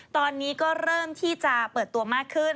ตอนนี้ก็เริ่มที่จะเปิดตัวมากขึ้น